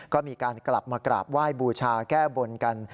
ก็มีการกลับมากราบไหว้บูชาแก้บนกัน